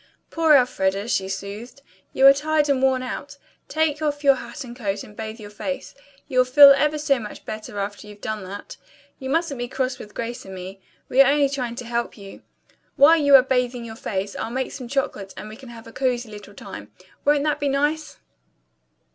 "Poor Elfreda," she soothed. "You are tired and worn out. Take off your hat and coat and bathe your face. You'll feel ever so much better after you've done that. You mustn't be cross with Grace and me. We are only trying to help you. While you are bathing your face, I'll make some chocolate and we'll have a cozy little time. Won't that be nice?"